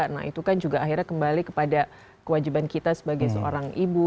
nah itu kan juga akhirnya kembali kepada kewajiban kita sebagai seorang ibu